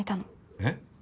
えっ？